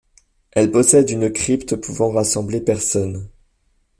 Elle possède une crypte pouvant rassembler personnes.